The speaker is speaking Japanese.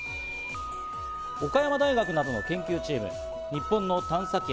岡山大学などの研究チーム、日本の探査機